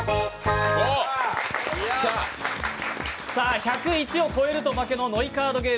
１０１を超えると負けのノイカードゲーム。